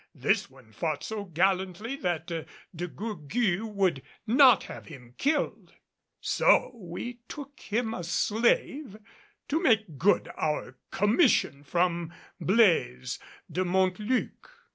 This one fought so gallantly that De Gourgues would not have him killed. So we took him a slave to make good our commission from Blaise de Montluc.